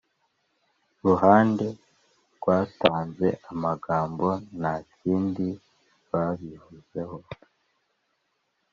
ruhande rwatanze amagambontakindi babivuzeho